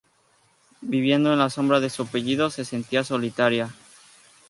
Viviendo en la sombra de su apellido, se sentía solitaria.